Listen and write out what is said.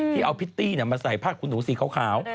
ที่เอาพิตตี้มาใส่ผ้าคุณหนูสีขาว